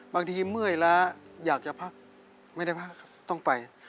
เมื่อยแล้วอยากจะพักไม่ได้พักครับต้องไป